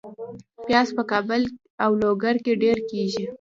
پیاز په کابل او لوګر کې ډیر کیږي